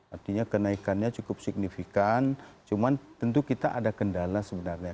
artinya kenaikannya cukup signifikan cuman tentu kita ada kendala sebenarnya